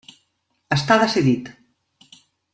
Està decidit.